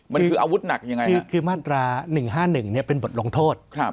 มันคืออาวุธหนักยังไงคือมาตรา๑๕๑เป็นบทลงโทษ